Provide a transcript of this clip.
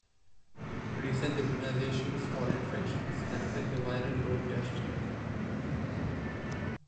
Recent immunizations or infections can affect the viral load test.